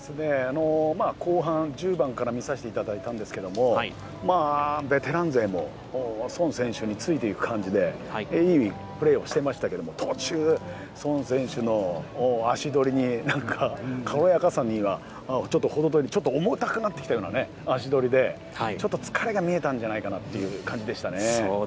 まあ後半、１０番から見させていただいたんですけれども、ベテラン勢も宋選手についていく感じで、いいプレーをしてましたけども、途中、宋選手の足取りに、軽やかさとはほど遠い、重たくなってきたような足取りで、ちょっと疲れが見えたんじゃないかなという感じでしたね。